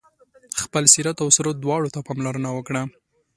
خپل سیرت او صورت دواړو ته پاملرنه وکړه.